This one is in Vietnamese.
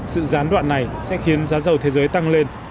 sự gián đoạn này sẽ khiến giá dầu thế giới tăng lên